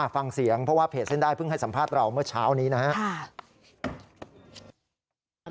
ฟังเสียงเพราะว่าเพจเส้นได้เพิ่งให้สัมภาษณ์เราเมื่อเช้านี้นะครับ